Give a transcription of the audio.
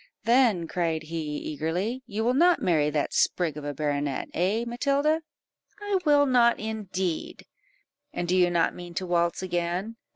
"Then," cried he, eagerly, "you will not marry that sprig of a baronet eh, Matilda?" "I will not indeed." "And do you not mean to waltz again?"